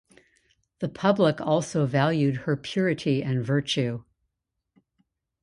The public also valued her purity and virtue.